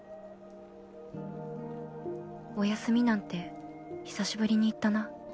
「おやすみ」なんて久しぶりに言ったな